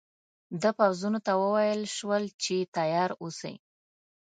د پوځونو ته وویل شول چې تیار اوسي.